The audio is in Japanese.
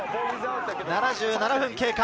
７７分経過。